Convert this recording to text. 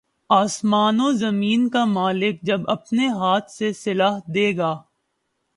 آسمان و زمین کا مالک جب اپنے ہاتھ سے صلہ دے گا